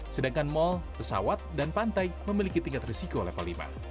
sedangkan mal pesawat dan pantai memiliki tingkat risiko level lima